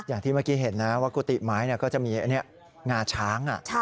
อย่างที่เมื่อกี้เห็นนะว่ากุฏิไม้ก็จะมีงาช้าง